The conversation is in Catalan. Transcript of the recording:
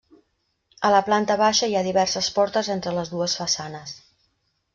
A la planta baixa hi ha diverses portes entre les dues façanes.